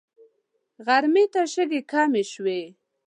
غرمې ته شګې کمې شوې.